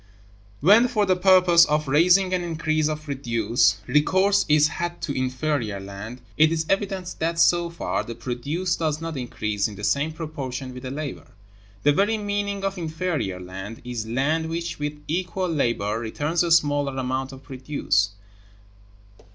When, for the purpose of raising an increase of produce, recourse is had to inferior land, it is evident that, so far, the produce does not increase in the same proportion with the labor. The very meaning of inferior land is land which with equal labor returns a smaller amount of produce.